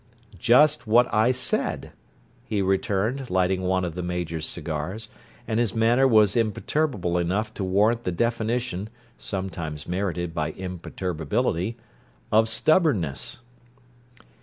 "Just what I said," he returned, lighting one of the Major's cigars, and his manner was imperturbable enough to warrant the definition (sometimes merited by imperturbability) of stubbornness.